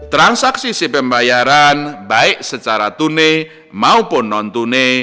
transaksi si pembayaran baik secara tunai maupun non tunai